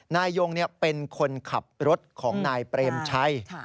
นายยงเป็นคนขับรถของนายเปรมชัย